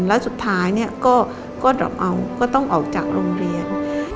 แล้วสุดท้ายก็ต้องออกจากโรงเรียน